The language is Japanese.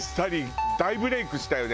大ブレークしたよね。